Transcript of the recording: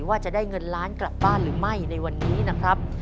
ว่าจะได้เงินล้านกลับบ้านหรือไม่ในวันนี้นะครับ